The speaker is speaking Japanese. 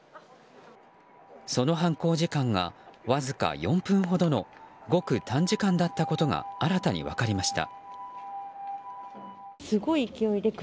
その犯行時間がわずか４分ほどのごく短時間だったことが新たに分かりました。